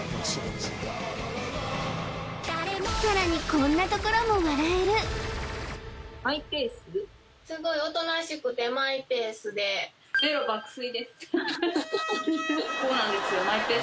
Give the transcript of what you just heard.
さらにこんなところも笑えるこうなんですよ